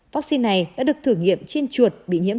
vắc xin này đã được thử nghiệm trên chuột